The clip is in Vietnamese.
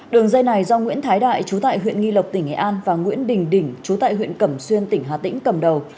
đường dây này do nguyễn thái đại chú tại huyện nghi lộc tỉnh nghệ an và nguyễn đình đỉnh chú tại huyện cẩm xuyên tỉnh hà tĩnh cầm đầu